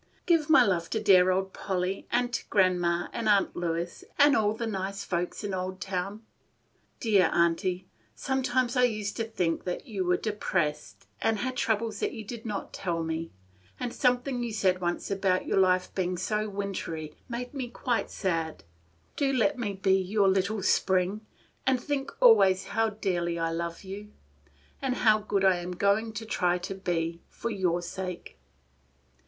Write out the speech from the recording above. "Give my love to dear old Polly, and to grandma and Aunt Lois, and all the nice folks in Oldtown. "Dear Aunty, sometimes I used to think that you were depressed, and had troubles that you did not tell me; and something you said once about your life being so wintry made me quite sad. Do let me be your little Spring, and think always how dearly I love you, and how good I am going to try to be for your sake.